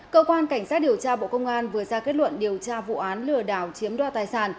cơ quan cảnh sát điều tra bộ công an vừa ra kết luận điều tra vụ án lừa đảo chiếm đo tài sản